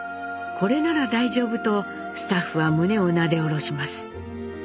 これなら大丈夫とスタッフは胸をなで下ろします。